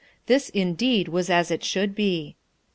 This, indeed, was as it should be.